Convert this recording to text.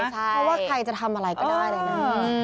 เพราะว่าใครจะทำอะไรก็ได้เลยนะ